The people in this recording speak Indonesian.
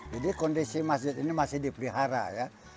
kondisi masjid ini masih dipelihara ya